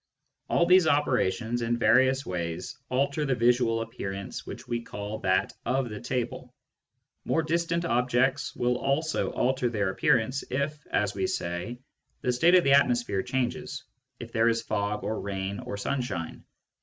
All these operations, in various ways, alter the visual appearance which we call that of the table. More distant objects will also alter their appearance if (as we say) the state of the atmosphere changes — if there is fog or rain or sun Digitized by Google 78 SCIENTIFIC METHOD IN PHILOSOPHY shine.